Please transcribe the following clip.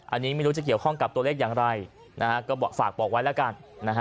อันนี้ไม่รู้จะเกี่ยวข้องกับตัวเลขอย่างไรนะฮะก็ฝากบอกไว้แล้วกันนะฮะ